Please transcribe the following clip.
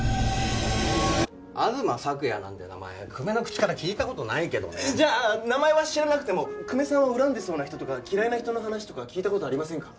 東朔也なんて名前久米の口から聞いたことないけどねじゃあ名前は知らなくても久米さんを恨んでそうな人とか嫌いな人の話とか聞いたことありませんか？